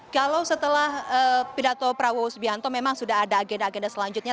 kalau setelah pidato prabowo subianto memang sudah ada agenda agenda selanjutnya